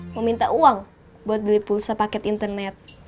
mau minta uang buat beli pulsa paket internet